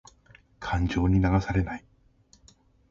感情に流されない。